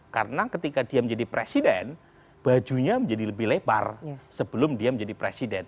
karena ketika dia menjadi presiden bajunya menjadi lebih lebar sebelum dia menjadi presiden